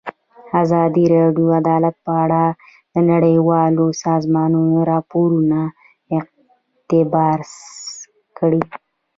ازادي راډیو د عدالت په اړه د نړیوالو سازمانونو راپورونه اقتباس کړي.